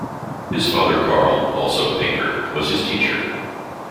His father Karl, also a painter, was his teacher.